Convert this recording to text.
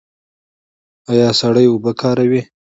ایا سړې اوبه کاروئ؟